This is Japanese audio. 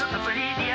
「ディア